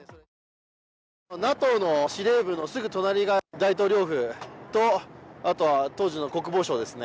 ＮＡＴＯの司令部のすぐ隣が大統領府と、あとは当時の国防省ですね、